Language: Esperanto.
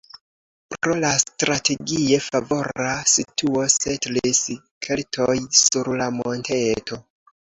Pro la strategie favora situo setlis keltoj sur la monteto.